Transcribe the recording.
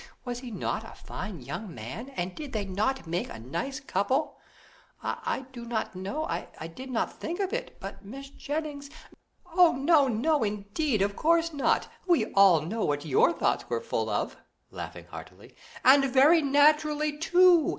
Was he not a fine young man, and did they not make a nice couple?" "I do not know I did not think of it; but, Mrs. Jennings " "No, no, indeed, of course not. We all know what your thoughts were full of" (laughing heartily), "and very naturally, too.